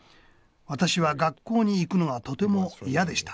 私は学校に行くのがとても嫌でした。